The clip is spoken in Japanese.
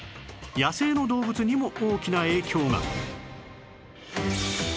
野生の動物にも大きな影響が